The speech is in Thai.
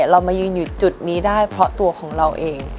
เรามายืนอยู่จุดนี้ได้เพราะตัวของเราเอง